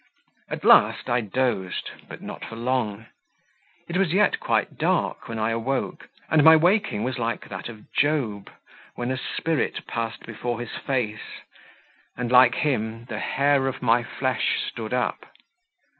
At last I dozed, but not for long; it was yet quite dark when I awoke, and my waking was like that of Job when a spirit passed before his face, and like him, "the hair of my flesh stood up."